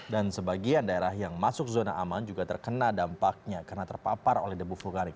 dan sebagian daerah yang masuk zona aman juga terkena dampaknya karena terpapar oleh debu vulkanik